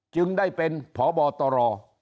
จึงได้เป็นพบตร